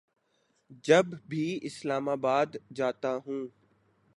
جب بھی اسلام آباد جاتا ہوں